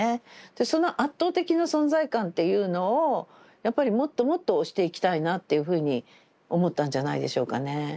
その圧倒的な存在感っていうのをやっぱりもっともっと押していきたいなっていうふうに思ったんじゃないでしょうかね。